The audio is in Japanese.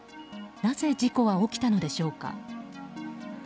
なぜ、事故は起きたのでしょうか。